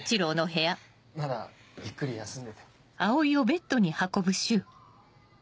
まだゆっくり休んでて。